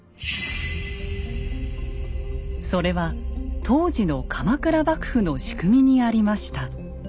それは当時の鎌倉幕府の仕組みにありました。